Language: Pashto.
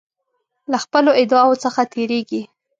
له خپلو ادعاوو څخه تیریږي.